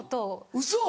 ウソ！